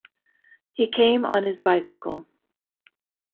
He came on his bicycle.